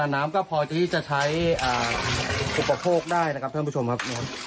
น้ำก็พอที่จะใช้อุปโภคได้นะครับท่านผู้ชมครับ